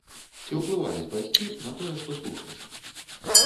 Ці ўплываюць бацькі на тое, што слухаеш?